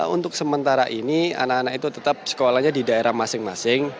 untuk sementara ini anak anak itu tetap sekolahnya di daerah masing masing